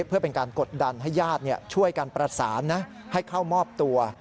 เพื่อเป็นการกดดันให้ญาติช่วยกันประสานนะให้เข้ามอบตัว